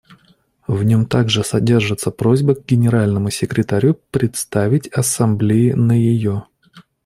В нем также содержится просьба к Генеральному секретарю представить Ассамблее на ее.